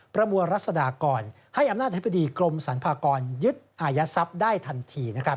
ประมวลรัศดากรให้อำนาจอธิบดีกรมสรรพากรยึดอายัดทรัพย์ได้ทันที